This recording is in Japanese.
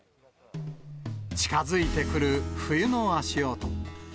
近づいてくる冬の足音。